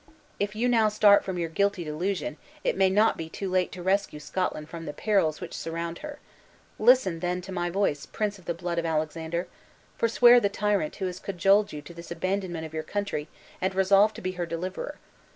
If you now start from your guilty delusion, it may not be too late to rescue Scotland from the perils which surround her. Listen then to my voice, prince of the blood of Alexander! forswear the tyrant who has cajoled you to this abandonment of your country, and resolve to be her deliverer.